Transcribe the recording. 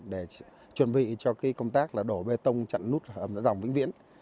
để chuẩn bị cho cái công tác là đổ bê tông chặn nút hầm dẫn dòng vĩnh viễn